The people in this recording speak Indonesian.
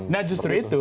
nah justru itu